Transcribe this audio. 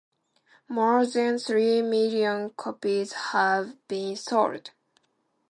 More than three million copies have been sold.